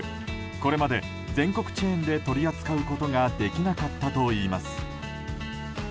これまで全国チェーンで取り扱うことができなかったといいます。